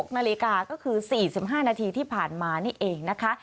๖นาฬิกาก็คือ๔๕นาทีที่ผ่านมานี่เองนะคะ